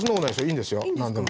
いいんですよ何でも。